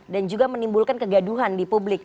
dan juga menimbulkan kegaduhan di publik